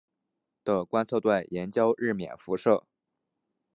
的观测队研究日冕辐射。